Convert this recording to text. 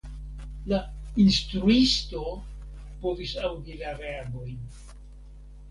La "instruisto" povis aŭdi la reagojn.